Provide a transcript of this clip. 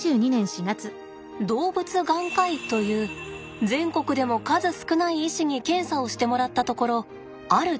動物眼科医という全国でも数少ない医師に検査をしてもらったところある提案をされたんです。